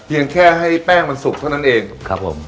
แค่ให้แป้งมันสุกเท่านั้นเองครับผม